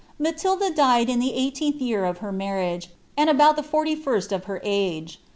Matilda died in the eighteenth ycsr of her marriage, and about dit forty first of ber age.